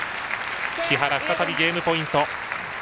木原、再びゲームポイント。